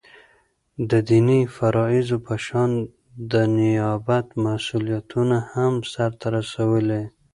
دديني فرائضو په شان دنيابت مسؤليتونه هم سرته رسوي ولي